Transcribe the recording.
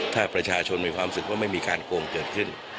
ถ้าประชาชนมีความรู้สึกว่าไม่มีการโกงเกิดขึ้น